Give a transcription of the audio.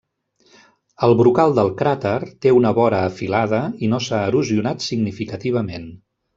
El brocal del cràter té una vora afilada i no s'ha erosionat significativament.